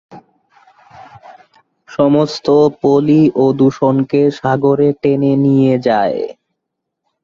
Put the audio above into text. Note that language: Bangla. সমস্ত পলি ও দূষণকে সাগরে টেনে নিয়ে যায়।